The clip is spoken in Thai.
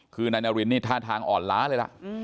คือนายนารินนี่ท่าทางอ่อนล้าเลยล่ะ